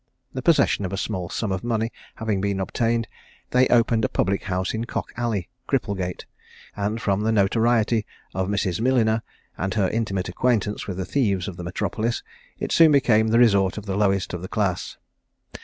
The possession of a small sum of money having been obtained, they opened a public house in Cock Alley, Cripplegate; and from the notoriety of Mrs. Milliner, and her intimate acquaintance with the thieves of the metropolis, it soon became the resort of the lowest of the class.